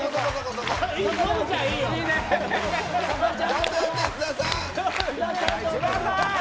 頑張って、津田さん！